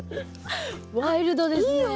ワイルドですね。